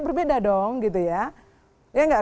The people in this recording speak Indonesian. berbeda dong gitu ya ya nggak